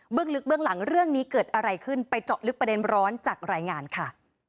ลึกเบื้องหลังเรื่องนี้เกิดอะไรขึ้นไปเจาะลึกประเด็นร้อนจากรายงานค่ะ